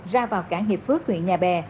ra vào cảng hiệp phước huyện nhà bè